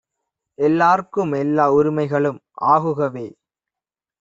எல்லார்க்கும் எல்லா உரிமைகளும் ஆகுகவே!